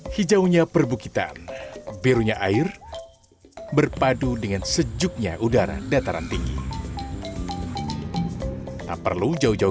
hijaunya perbukitan birunya air berpadu dengan sejuknya udara dataran tinggi tak perlu jauh jauh